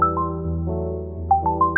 jangan ragu ya